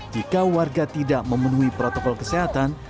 jika warga tidak memenuhi protokol kesehatan